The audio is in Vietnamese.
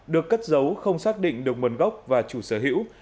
được cất dấu không xác định được mần gốc và chủ sở hữu